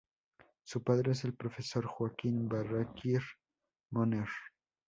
Su padre es el profesor Joaquín Barraquer Moner.